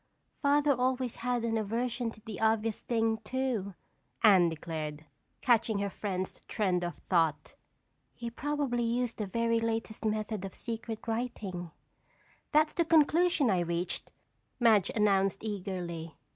"Father always had an aversion to the obvious thing too," Anne declared, catching her friend's trend of thought. "He probably used the very latest method of secret writing." "That's the conclusion I reached," Madge announced eagerly.